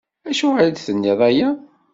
Acuɣer i d-tenniḍ aya?